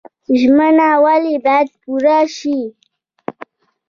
ژمنه ولې باید پوره شي؟